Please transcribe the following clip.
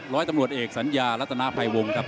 ร้อยตำรวจเอกสัญญารัฐนาภัยวงครับ